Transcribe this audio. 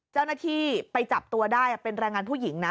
เจ้าหน้าที่ไปจับตัวได้เป็นแรงงานผู้หญิงนะ